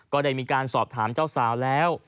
ก็ได้มีการสอบถามเจ้าสาวแล้ว